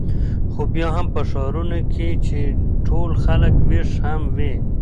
خو بیا هم په ښارونو کې چې ټول خلک وېښ هم وي.